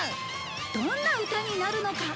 どんな歌になるのか。